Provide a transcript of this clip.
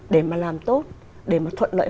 để mà làm tốt để mà thuận lợi